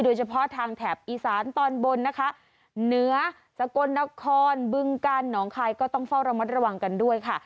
โดยเฉพาะทางแถบอีสานตอนบนนะคะเหนือสกลนครบึงกาลหนองคายก็ต้องเฝ้าระมัดระวังกันด้วยค่ะ